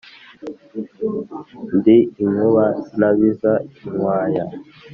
Ndi inkuba nabiza inkwaya